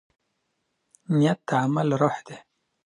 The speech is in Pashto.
نیت د عمل روح دی.